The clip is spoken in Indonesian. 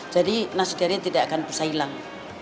jadi nasidaria tidak akan bisa hilang